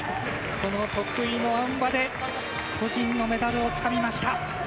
この得意のあん馬で、個人のメダルをつかみました。